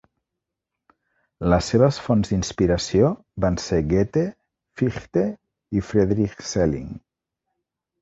Les seves fonts d'inspiració van ser Goethe, Fichte i Friedrich Schelling.